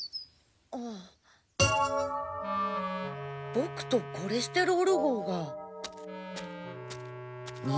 ボクとコレステロール号がにている？